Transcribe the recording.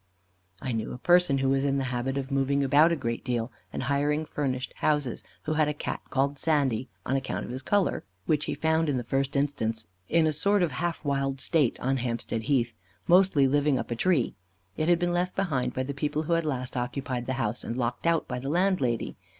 I knew a person who was in the habit of moving about a great deal, and hiring furnished houses, who had a Cat called Sandy, on account of his colour, which he found in the first instance, in a sort of half wild state, on Hampstead Heath, mostly living up a tree. It had been left behind by the people who had last occupied the house, and locked out by the landlady.